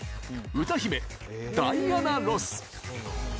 歌姫、ダイアナ・ロス。